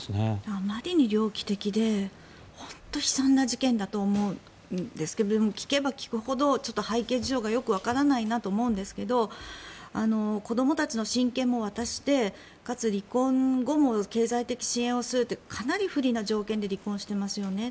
あまりに猟奇的で本当に悲惨な事件だと思うんですが聞けば聞くほど背景事情がよくわからないなと思うんですけど子どもたちの親権も渡してかつ、離婚後も経済的支援をするというかなり不利な条件で離婚してますよね。